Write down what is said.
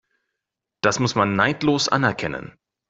Das muss man neidlos anerkennen.